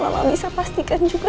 dan mama bisa pastikan juga